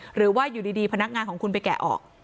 หรือว่าอยู่ดีพนักงานของคุณไปแกะออก